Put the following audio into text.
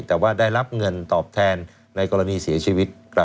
แต่ว่าได้รับเงินตอบแทนในกรณีเสียชีวิต